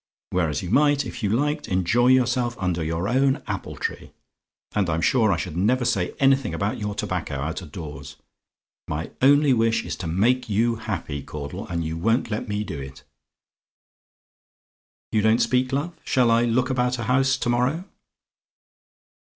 Whereas you might, if you liked, enjoy yourself under your own apple tree, and I'm sure I should never say anything about your tobacco out of doors. My only wish is to make you happy, Caudle, and you won't let me do it. "You don't speak, love? Shall I look about a house to morrow?